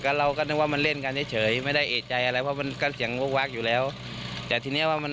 แล้วก็เราก็นึกว่ามันเร่งเสียเฉยไม่ได้เอกใจอะไรเพราะมันก็เสี่ยงวลักษณะที่เหล่าแต่ที่นกอ่ะมัน